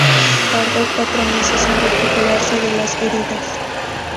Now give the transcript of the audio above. Tardó cuatro meses en recuperarse de las heridas.